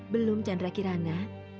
belum chandra kirana